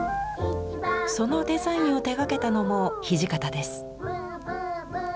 そのデザインを手がけたのも土方です。